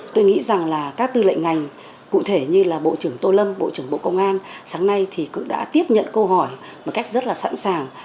tôi nghĩ rằng là các tư lệnh ngành cụ thể như là bộ trưởng tô lâm bộ trưởng bộ công an sáng nay thì cũng đã tiếp nhận câu hỏi một cách rất là sẵn sàng